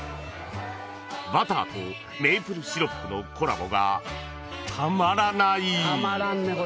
［バターとメープルシロップのコラボがたまらない］